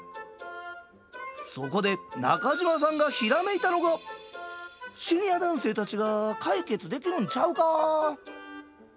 そこで中島さんがひらめいたのがシニア男性たちが解決できるんちゃうか。